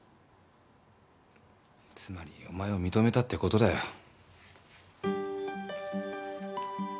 つまりお前を認めたってことだよ。